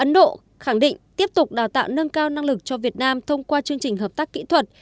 ấn độ khẳng định tiếp tục đào tạo nâng cao năng lực cho việt nam thông qua chương trình hợp tác kỹ thuật